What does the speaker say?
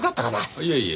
いえいえ。